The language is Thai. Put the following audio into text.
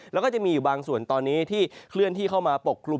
แล้วก็จะมีอยู่บางส่วนตอนนี้ที่เคลื่อนที่เข้ามาปกคลุม